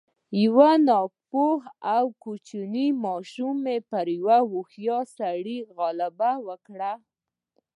يوې ناپوهې او کوچنۍ ماشومې پر يوه هوښيار سړي غلبه وکړه.